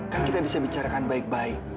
kan kita bisa bicarakan baik baik